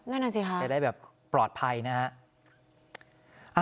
นั่นน่ะสิค่ะจะได้แบบปลอดภัยนะฮะ